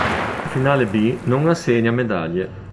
La Finale B non assegna medaglie.